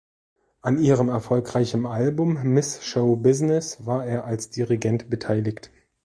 An ihrem erfolgreichem Album "Miss Show Business" war er als Dirigent beteiligt.